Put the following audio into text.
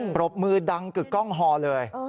ปรบมือดังกึกกล้องฮอเลย